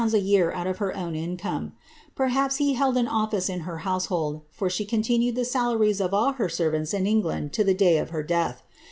a year out of her own income ; perhaps he held an ofidi in her household,' for she continued the salaries of all her •enranli is England to the day of her death.